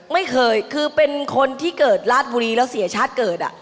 ไม่เคยคือเป็นคนที่เกิดราชบุรีแล้วเสียชาติเกิด